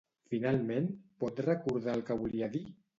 Finalment pot recordar el que volia dir?